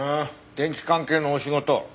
電気関係のお仕事？